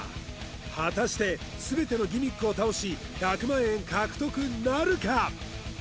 果たして全てのギミックを倒し１００万円獲得なるか？